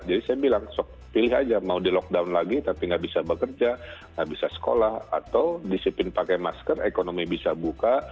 jadi saya bilang pilih aja mau di lockdown lagi tapi nggak bisa bekerja nggak bisa sekolah atau disiplin pakai masker ekonomi bisa buka